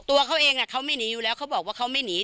ตัวเขาเองเขาไม่หนีอยู่แล้วเขาบอกว่าเขาไม่หนี